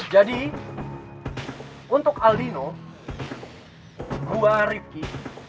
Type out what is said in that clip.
jadi untuk alino gue rifki